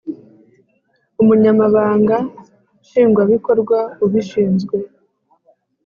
Umunyamabanga nshingwabikorwa ubishinzwe